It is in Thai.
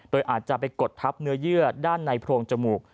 โดยอาจจะไปกดทับเนื้อเยื่อด้านในโพรงจมูก